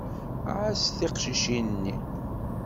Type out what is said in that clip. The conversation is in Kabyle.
Ɛass tiqcicin-nni.